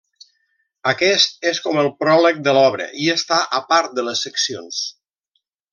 Aquest és com el pròleg de l'obra i està a part de les seccions.